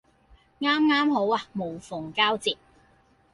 啱啱好啊無縫交接